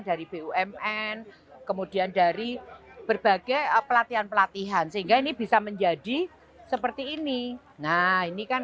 dari bumn kemudian dari berbagai pelatihan pelatihan sehingga ini bisa menjadi seperti ini nah ini kan